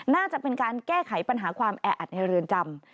น่าจะเป็นการแก้ไขปัญหาความแออัดในเรือนจำ